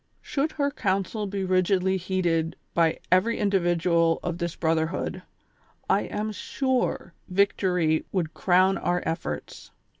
Should her counsel be rigidly heeded by every individual of this brotherhood, I am sure victory would crowai our efforts.